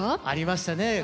ありましたね